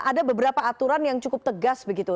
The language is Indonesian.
ada beberapa aturan yang cukup tegas begitu